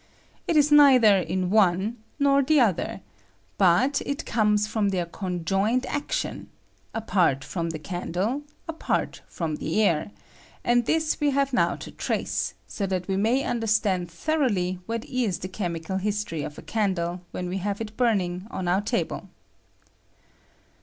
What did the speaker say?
It is neither in one nor the other, but it conies from their conjoint action, a part from the candle, a part from the air; and this we have now to trace, so that we may understand thoroughly what is the ctemi cal history of a candle when we have it burning on our table.